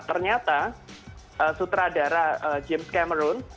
ternyata sutradara james cameron